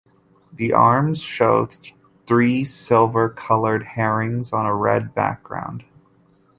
The arms show three silver colored herrings on a red background.